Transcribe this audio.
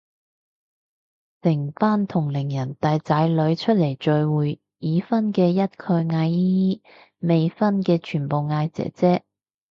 成班同齡人帶仔女出嚟聚會，已婚嘅一概嗌姨姨，未婚嘅全部嗌姐姐